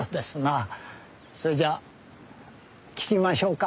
それじゃあ聞きましょうか。